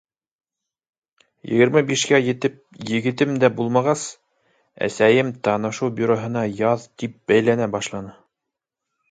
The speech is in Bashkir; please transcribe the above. Егерме бишкә етеп егетем дә булмағас, әсәйем, танышыу бюроһына яҙ, тип бәйләнә башланы.